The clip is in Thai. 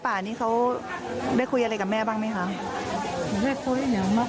พระเจ้าที่อยู่ในเมืองของพระเจ้า